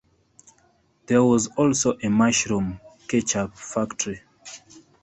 There was also a "mushroom ketchup factory".